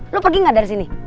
lo pergi gak dari sini